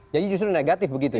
jadi justru negatif begitu ya